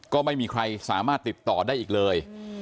ก็ไม่มีใครสามารถติดต่อได้อีกเลย